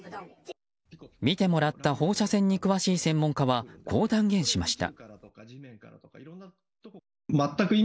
見てもらった放射線に詳しい専門家は、こう断言しました。